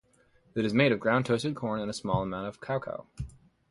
It is made of ground toasted corn and a small amount of cacao.